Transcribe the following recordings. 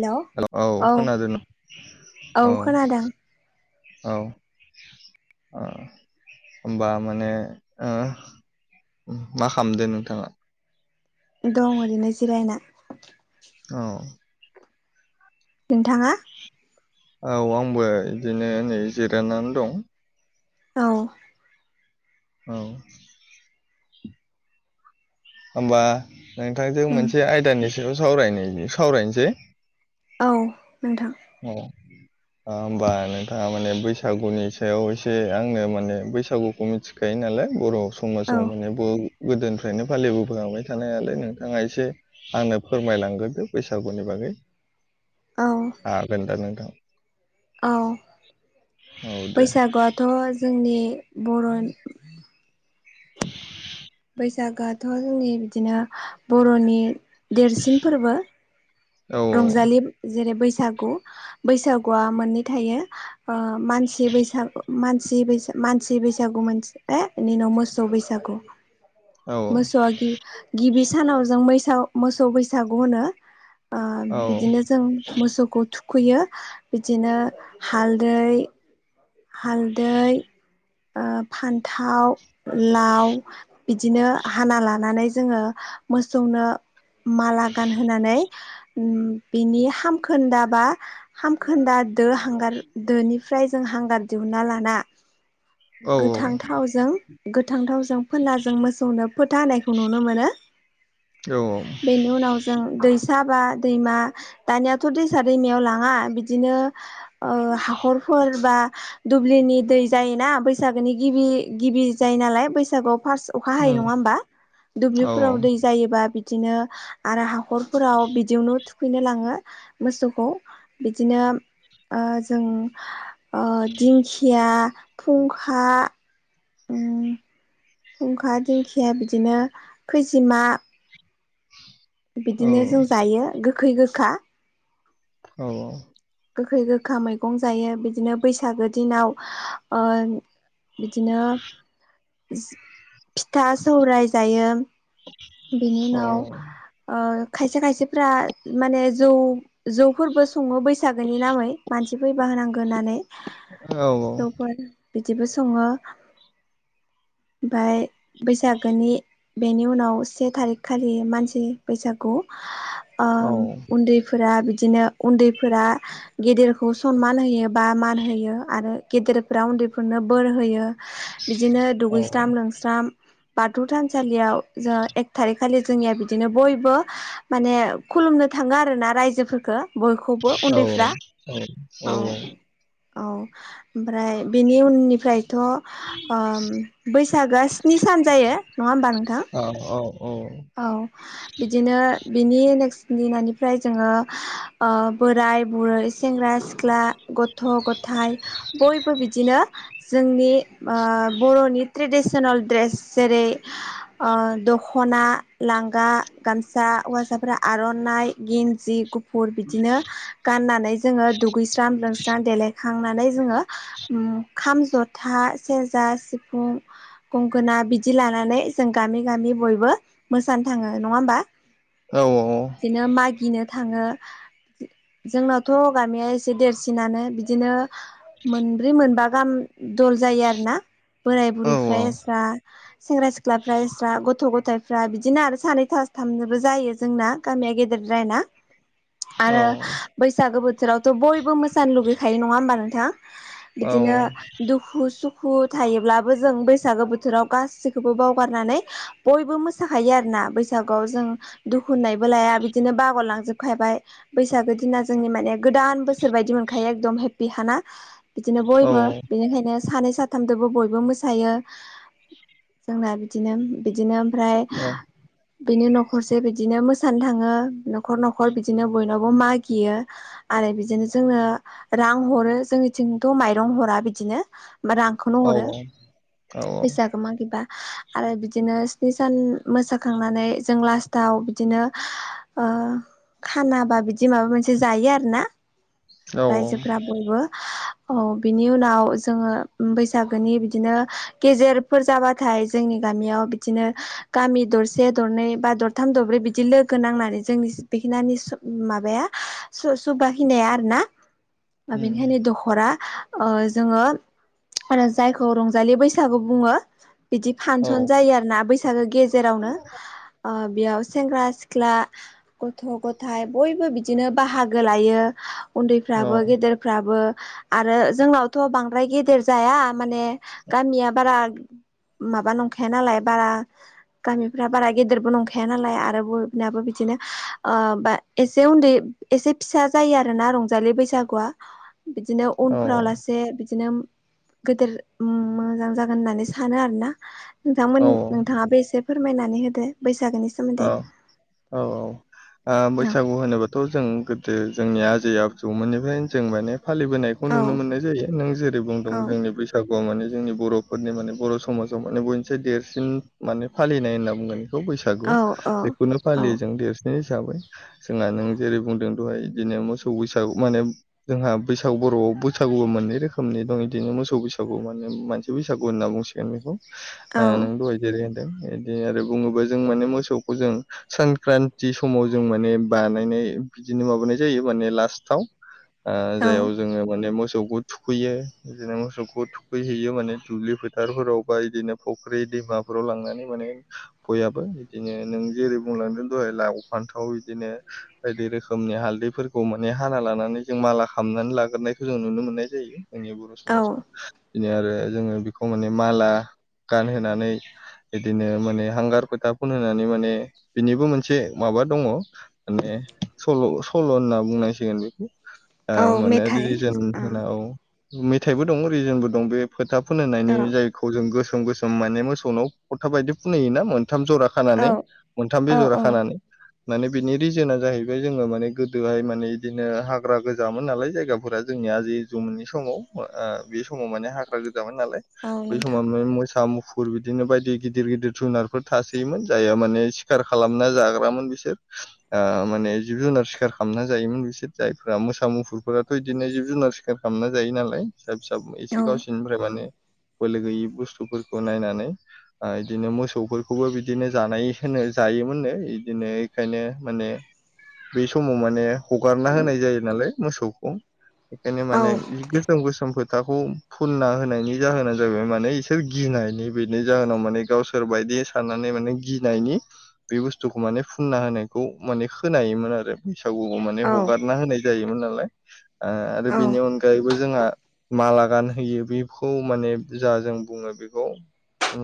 Hello औ खोनादों औ औ औ होमबा माने मा खालामदो नोंथाङा दं ओरैनो जिरायना औ नोंथाङा औ आंबो इदिनो नै जिरायनानै दं औ औ होमबा नोंथांजों उम मोनसे आयदानि सायाव सावराय सावरायनोसै औ नोंथां औ होमबा नोंथाङा माने बैसागुनि सायाव एसे आंनो माने बैसागुखौ मिथिखायो नालाय बर' औ समाजाव माने गोदोनिफ्रायनो फालिबोबोलांबाय थानाय नालाय नोंथाङा एसे आंनो फोरमायलांग्रोदो बैसागुनि बागै औ जागोन नोंथां औ औ दे बैसागुआथ' जोंनि बर' बैसागोआथ' जोंनि बिदिनो बर'नि देरसिन फोरबो औ औ रंजालि जेरै बैसाग बैसागु बैसागुआ मोननै थायो मानसि बैसागु मानसि बैसागु मानसि बैसागु मोनसे बिनि उनाव मोसौ बैसागु औ मोसौआ गिबि सानाव जों मोसौ बैसागु होनो बिदिनो जों मोसौखौ थुखैयो बिदिनो हालदै हालदै फान्थाव लाव बिदिनो हाना लानानै जोङो मोसौनो माला गानहोनानै बिनि हामखोन्दा बा हामखोन्दा दोनिफ्राय जों हांगार दिहुनना लाना औ गोथांथावजों गोथांथावजों फुनना जों मोसौनो फोथा होनायखौ नुनो मोनो उम, बेनि उनाव जों दै साबा दैमा दानियाथ' दैसा दैमायाव लाङा बिदिनो हाखरफोर बा दुब्लिनि दै जायोना बै बैसागोनि गिबि गिबि जायो नालाय बैसागआव फार्स्स अखा औ हायो नङा होमबा औ दुब्लिफोराव दै जायोबा बिदिनो आरो हाखरफोराव बिदियावनो थुखैनो लाङो मोसौखौ बिदिनो जों दिंखिया फुंखा उम फुंखा दिंखिया बिदिनो खैजिमा औ बिदिनो जों जायो गोखै गोखा औ औ गोखै गोखा मैगं जायो बिदिनो बैसागो दिनाव बिदिनो फिथा सौराय जायो बेनि उनाव खायसे खायसेफ्रा माने जौ जौफोरबो सङो बैसागोनि नामै मानसि फैबा होनांगौ होननानै लोगोफोर बिदिबो सङो ओमफ्राय बैसागोनि बेनि उनाव से थारिख खालि मानसि बैसागु उन्दैफोरा बिदिनो उन्दैफोरा गेदेरखौ सनमान होयो बा मान होयो आरो गेदेरफोरा उन्दैफोरनो बोर होयो बिदिनो दुगै दुगैस्रां लोबस्रां बाथौ थानसालियाव जों एक थारिखखालि जोंनिया बिदिनो बयबो माने खुलुमनो थाङो आरोना रायजोफोरखौ बयखौबो उन्दैफ्रा औ औ औ ओमफ्राय बेनि उननिफ्रायथ' बैसागोआ स्नि सान जायो नङा होमबा नोंथां औ बिदिनो बिनि नेक्सनि दिननिफ्राय जोङो बोराय बुरै सेंग्रा सिख्ला गथ' गथाइ बयबो बिदिनो जोंनि ओ बर'नि ट्रेडिसनेल ड्रेस जेरै ओ दख'ना लांगा गामसा हौवासाफोरा आर'नाइ गिन जिब गुफुर बिदिनो गाननानै जोङो दुगैस्रां लोंस्रां देलायना खांनानै जोङो ओम खाम जथा सेरजा सिफुं गंगोना बिदि लानानै जों गामि गामि बयबो मोसानो थाङो नङा होमबा बिदिनो मागिनो थाङो जोंनावथ' गामिया एसे देरसिनानो बिदिनो मोनब्रै मोनबा गाहाम दल जायो आरोना बोराय बुरैफ्रा एस्रा सेंग्रा सिख्लाफ्रा एस्रा गथ' गथायफ्रा फ्रा बिदिनो आरो सानैथासथामनोबो जायो जोंना गामिया गेदेरद्राय ना आरो बैसागो बोथोरावथ' बयबो मोसानो लुगैखायो नङा होमबा नोंथां औ उम, औ औ बिदिनो दुखु सुख खु थायोब्लाबो जों बैसागो बोथोराव गासैखौबो बावगारनानै बयबो मोस खायो आरोना बैसागुआव जों दुखु होननायबो लाया बिदिनो बावगार लांजोबखायबाय बैसागो दिना जोंनि माने गोदान बोसोर बायदि मोनखायो एकदम हेप्पि खाना बिदिनो बयबो बेनिखायनो सानै साथामजोंबो बयबो मोसायो जोंना बिदिनो बिदिनो ओमफ्राय बिनि नखरसे बिदिनो मोसानो थाङो नखर नखर बिदिनो बयनावबो मागियो आर बिदिनो जोंनो रां हरो जोंनिथिंथ माइरं हरा बिदिनो रांखौनो हरो फैसाखौ मागिब्लाा आरो बिदिनो स्नि सान मोसाखांनानै जों लास्टाव बिदिनो ओ खानाबा बिदि माबा मोनसे जायो आरोना रायजोफोरा बयबो औ बिनि उनाव जोङो बैसागोनि बिदिनो गेजेरफोर जाबाथाय जोंनि गामियाव बिदिनो गामि दरसे दरनै बा दरथाम दरब्रै बिदि लोगो नांनानै जोंनि बिखिनानि माबाया सुरस बा खिनाया आरो ना बेनिखायनो दखरा ओ जोङो आरो जायखौ रंजालि बैसागु बुङो बिदि फानसन जायो आरोना बैसागो गेजेरावनो ओ बेयाव सेंग्रा सिख्ला गथ गथाय बयबो बिदिनो बाहागो लायो उन्दैफ्राबो गेदेरफ्राबो आरो जोंनावथ बांद्राय गेदेर जाया माने गामिया बारा माबा नंखाया नालाय बारा गामिफ्रा बारा गेदेरबो नंखाया नालाय आरो बबेनाबो बिदिनो ओ बा एसे उन्दै एसे फिसा जायो आरो ना रंजालि बैसागुआ बिदिनो उनफ्राव लासे बिदिनो गेदेर मोजां जागोन होननानै सानो आरो ना नोंथांमोन औ नोंथाङाबो एसे फोरमायनानै होदो बै औ औ ओ औ बैसागु होनोबाथ जों गोदो जोंनिया जि आजौमोननिफ्रायनो जों माने फालिबोनायखौ नुनो मोननाय जायो नों जेरै औ बुंदों जोंनि बैसागु [unintelligible] माने जोंनि बरफोरनि माने बर समाजाव माने बयनिफ्राय देरसिन माने फालिनाय होनना बुंगोन बैसागु बेखौनो फालियो औ जों देरस हिसाबै जोंहा नों जेरै बुंदों दहाय बिदिनो मोसौ बैसागु माने जोंहा बैसागु बरआव बैसागुआ मोननै रोखोमनि दं इदिनो मोसौ बैसागु माने मानसि बैसागु होनना बुंसिगोन बेखौ ओ नों दहाय जेरै होनदों बिदि आरो बुङोब्ला जों माने मोसौ खौ जों संक्रान्ति समाव जों माने बानायनाय बिदिनो माबानाय जायो माने लास्टाव [unintelligible] ओ जायाव जोङो माने मोस सौखौ थुखैयो बिदिनो मोसौखौ थुखैहैयो माने दुब्लि फोथारफोराव बा बिदिनो फख्रि दैमाफोराव लांनानै माने बयाबो बिदि नों जेरै बुंलांदों दाहय लाव फान्थाव बिदिनो बायदि रोखोमनि हालदैफोरखौ माने हाना लानानै जों माला खालामनानै लाग्रोनायखौ जों नुनो मोननाय जायो जोंनि बर समाजाव औ बिनो आरो जोङो बेखौ माने माला गानहोनानै बिदिनो माने हांगार फोथा फुन होननानै माने बिनिबो मोनसे माबा दङ माने सल सल होनना बुङो नांसिगोन बेखौ औ माने मेथाइ रिलिजन होना औ मेथाइबो दं रिजोनबो दं बे फोथा फुनहैनायनि औ जायखौ जों गोसो गोसोम माने मोसौनाव फोथा बायदि फुनहोयोना मोनथाम जरा खानानै औ मोनथाम औ बेजरा खानानै माने बिनि रिजोना जाहैबाय जोङो माने गोदोहाय माने बिदिनो हाग्रा गोजामोन नालाय जायगाफोरा जों नि आजै आजौमोननि समाव आं बे समाव माने हाग्रा गो जामोनो नालाय औ बै समाव नोंथां मोसा मुफुर बिदिनो बायदि गिदिर गिदिर जुनारफोर थास जायोमोन जायहा माने सिखार खालामना जाग्रामोन बिसोर ओ माने जिब जुनार सिखार खालामना जायोमोन बिसोर जायफ्रा मोसा मुफुरफोराथ इदिनो जिब जुनार सिखार खालामना जायो नालाय [unintelligible] फिसा औ एसे गावसोरनिफ्राय माने बोलो गैयि बुस्थुफोरखौ नायनानै ओ इदिनो मोसौफोर खौबो बिदिनो जानाय होनो जायोमोननो इदिनो इखायनो माने बै समाव माने हगारना होनाय जायो नालाय मोसौखौ खायनो औ माने बि गोसोम गोसोमफोर थाखौ फुनना होनायनि जाहोना जाहैबाय माने इसोर गिनायनि बिनि जाहोनाव माने गावसोर बायदि साननानै माने गिनायनि बे बुस्थुखौ माने फुनना होनायखौ माने खोनायोमोन आरो। बैसागुआव माने औ हगारना होनाय जायोमोन नालाय आरो औ बेनि अनगायैबो जोंहा माला गानहोयो बिखौ माने जा जों बुङो बिखौ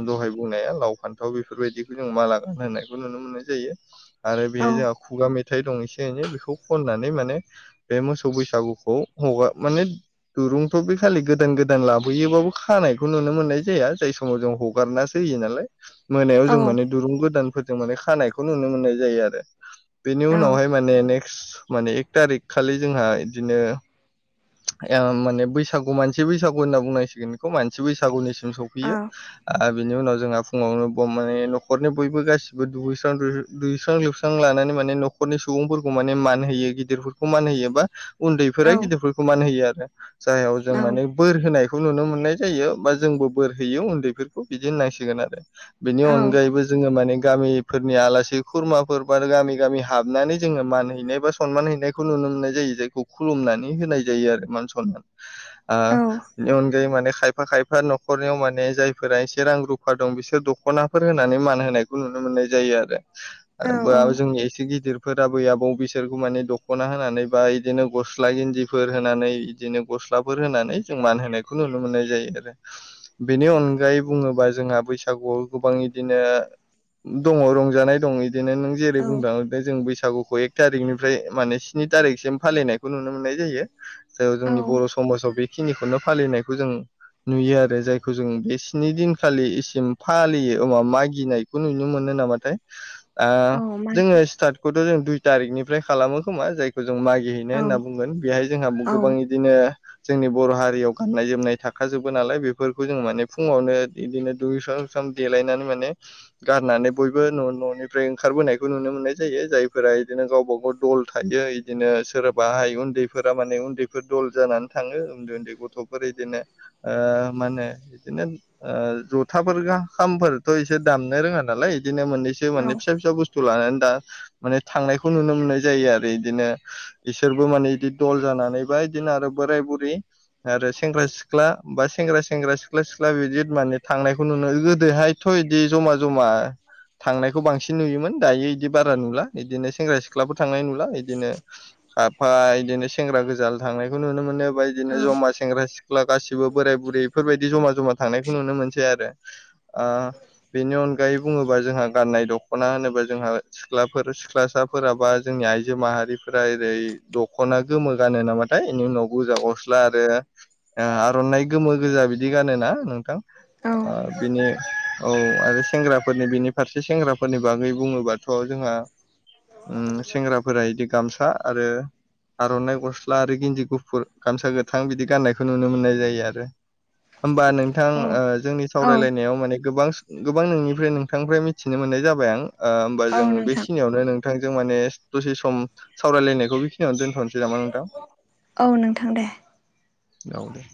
दहाय बुंनाया लाव फान थाव बेफोरबायदिखौ जों माला गानहोनायखौ नुनो मोननाय जायो आरो औ बेहाय जोंहा खुगा मेथाइ दं एसे एन नै बिखौ खननानै माने बे मोसौ बैसागुखौ हगा माने दुरुंखौ बे खालि गोदान गोदान लाबोयोबाबो खानायखौ नुनो मोननाय जाया जाय समाव जों हगारनासो होयो नालाय। मोनायाव जों माने दुरुं गोदानफोरजों माने खानायखौ नुनो मोननाय जायो आरो। बेनि औ उनावहाय माने नेक्स्ट माने एक तारिख खालि जोंहा इदिनो ओ माने बैसागु मानसि बैसागु होनना बुंनांसिगोन इखौ मानसि बैसागुनि जों सौफैयो ओ बिनि उनाव जोंहा फुङावनो बम माने न'खरनि बयबो गासिबो दुगैस्रां [unintelligible] दुगैस्रां लोबस्रां लानानै माने न'खरनि सुबुंफोरखौ माने मान होयो गिदिरफोरखौ मान होयो बा उन्दैफोरा गिदिरफोरखौ मान होयो आरो जायाव जों माने बोर होनाय खौ नुनो मोननाय जायो बा जोंबो बोर होयो उन्दैफोरखौ बिदि होननांसिगोन आरो। बेनि अनगायैबो जोङो माने गामिफोरनि आलासि खुरमाफोर बार गामि गामि हाबनानै जोङो मान हैनाय बा सन्मान हैनायखौ नुनो नो मोननाय जायो आरो जायखौ खुुलुमनानै होनाय जायो आरो मान सन्मान ओ नि अनगायै माने खायफा खायफा न'खरनियाव माने जायफोरा एसे रां रुफा दं बिसोर दख'नाफोर होनानै मान होनायखौ नुनो नो मोननाय जायो आरो औ बोआव जोंनि एसे गिदिर फोर आबै आबौ बिसोरखौ माने दख'ना होनानै बा इदिनो गस्ला इन्दि फोर होनानै इदिनो गस्लाफोर होनानै जों मान होनायखौ नुनो मोननाय जायो आरो बेनि अन गायै बुङोबा जोंहा बैसागुआव गोबां इदिनो दङ रंजानाय दं इदिनो नों जेरै बुंदों जों बैसागु सागुखौ एक तारिकनिफ्राय माने स्नि तारिखसिम फालिनायखौ नुनो मोननाय जायो। जायाव औ जोंनि बर' समाजाव बेखिनिखौनो फालिनायखौ जों नुयो आरो जायखौ जों बे स्नि दिनखालिसिम फालियो [unintelligible] मागिनायखौ नुनो मोनो नामाथाय। औ ओ जोङो मागि स्टार्टखौथ' जों दुइ तारिखनिफ्राय खालामो खोमा जायखौ जों मागिहैनो औ होनना बुंगोन बेहाय जोंहा औ गोबां इदिनो जोंनि बर' हारियाव गाननाय जोमनाय थाखाजोबो नालाय बेफोरखौ जों माने फुङावनो इदिनो दुगै [unintelligible] देलायनानै माने गाननानै बयबो न' न'निफ्राय ओंखारबोनायखौ नुनो मोननाय जायो जाय फोरा इदिनो गावबा गाव दल थायो इदिनो सोरबाहाय उन्दै फोरा माने उन्दैफोर दल जानानै थाङो उन्दै उन्दै गथ'फोर इदिनो ओ मा होनो नो ओ ज'थाफोर खामफोरथ' इसोर दामनो रोङा नालाय इद दिनो मोननैसो माने फिसा फिसा बुस्थु लानानै दा माने थांनायखौ नुनो मोननाय जायो आरो इदिनो इसोरबो माने इदि दल जानानै बा इदिनो आरो बोराय बुरि आरो सेंग्रा सिख्ला बा सेंग्रा सेंग्रा सिख्ला सि ख्ला बिदि माने थांनायखौ नुनो गोदोहायथ' इदि जमा जमा थांनायखौ बांसिन नुयोमोन दायो इदि बारा नुला इदिनो सेंग्रा सिख्लाफोर थांनाय नुला इदिनो खाफा इदिनो सेंग्रा गोजाल' थांनायखौ नुनो मोनो बा औ इदिनो जमा सेंग्रा सिख्ला गासि बो बोराय बुरै इफोरबायदि जमा जमा थांनायखौ नुनो मोनसै आरो ओ बेनि अनगायै बुं बुङोबा जोंहा गाननाय दख'ना होनोबा जोंहा सिख्लाफोर सिख्लासाफोरा बा जोंनि आइजो माहारिफोर [unintelligible] दख'ना गोमो गानो नामाथाय इनि उनाव गोजा गस्ला आरो ओ आर'नाइ गोमो गोजा बिदि गानो ना हा नोंथां? औ ओ बिनि औ आरो सेंग्राफोरनि बिनि फारसे सेंग्राफोरनि बागै बुङोबाथ' जोंहा। [inaudible] उम सेंग्राफोरा इदि गामसा आरो। आर'नाइ गस्ला आरो गिन्दि गुफुर गामसा गोथां बिदि गाननायखौ नुनो मोननाय जायो आरो। होमबा नोंथां औ ओ जोंनि औ सावरायलायनायाव माने गोबां गोबां नोंनिफ्राय नोंथांनिफ्राय मिथिनो मोननाय जाबाय आं ओ होमबा औ जों नोंथां बेखिनियावनो नों नोंथांजों माने दसे सम सावरायलायनायखौ बेखिनियावनो दोन औ नोंथां दे। औ दे।